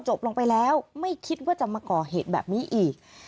ลงไปแล้วไม่คิดว่าจะมาก่อเหตุแบบนี้อีก